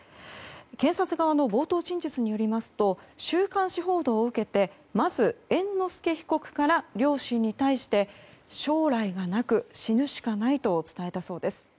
検察側の冒頭陳述によりますと週刊誌報道を受けてまず、猿之助被告から両親に対して将来がなく死ぬしかないと伝えたそうです。